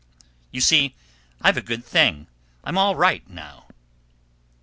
You see I've a good thing; I'm all right now."